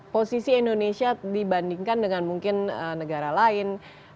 posisi indonesia dibandingkan dengan mungkin negara lain